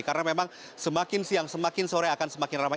karena memang semakin siang semakin sore akan semakin ramai